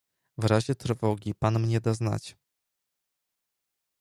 "W razie trwogi pan mnie da znać."